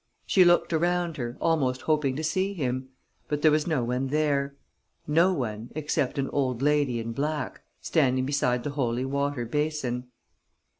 She looked around her, almost hoping to see him. But there was no one there ... no one except an old lady in black, standing beside the holy water basin.